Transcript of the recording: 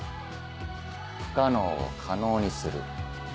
不可能を可能にする。